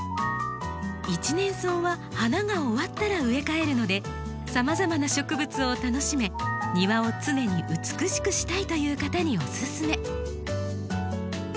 １年草は花が終わったら植え替えるのでさまざまな植物を楽しめ庭を常に美しくしたいという方におすすめ。